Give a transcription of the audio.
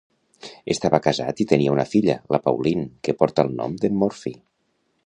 Estava casat i tenia una filla, la Pauline, que porta el nom d'en Morphy.